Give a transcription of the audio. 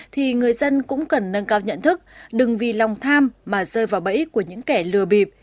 thì người dân cũng cần nâng cao nhận thức đừng vì lòng tham mà rơi vào bẫy của những kẻ lừa bịp